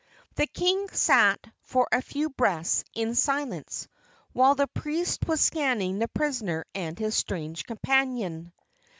The king sat for a few breaths in silence, while the priest was scanning the prisoner and his strange companion.